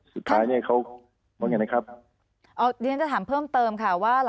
สุดท้ายเขา